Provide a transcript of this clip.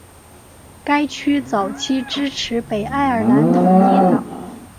该区早期支持北爱尔兰统一党。